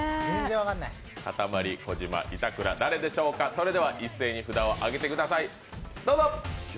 かたまり、小島、板倉、誰でしょうか一斉に札を上げてください。